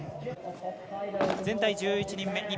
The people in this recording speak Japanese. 全体１１人目。